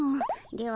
では